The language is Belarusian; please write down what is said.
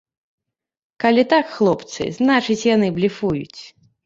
Калі так, хлопцы, значыць, яны блефуюць.